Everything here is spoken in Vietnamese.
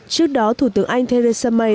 trước đó thủ tướng anh theresa may